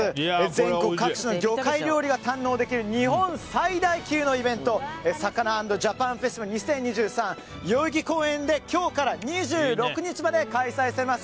全国各地の魚介料理が堪能できる日本最大級のイベント「ＳＡＫＡＮＡ＆ＪＡＰＡＮＦＥＳＴＩＶＡＬ２０２３」は代々木公園で今日から２６日まで開催されます。